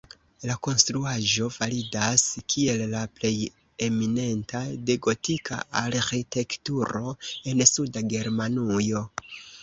La konstruaĵo validas kiel la plej eminenta de gotika arĥitekturo en suda Germanujo.